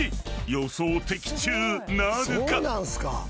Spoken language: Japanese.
予想的中なるか？］